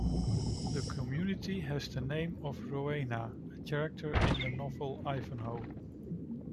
The community has the name of Rowena, a character in the novel "Ivanhoe".